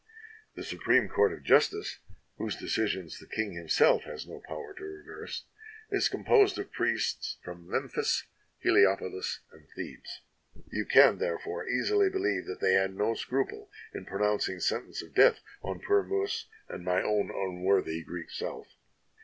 "The supreme court of justice, whose decisions the king himself has no power to reverse, is composed of priests from Memphis, Heliopolis, and Thebes ; you can, therefore, easily believe that they had no scruple in pro nouncing sentence of death on poor Miis and my own unworthy Greek self.